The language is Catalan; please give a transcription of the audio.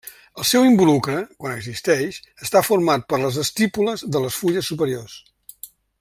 El seu involucre, quan existeix, està format per les estípules de les fulles superiors.